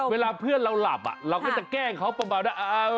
เวลาเพื่อนเราหลับเราก็จะแกล้งเขาประมาณว่า